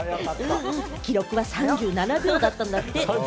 記録は３７秒だったんだって。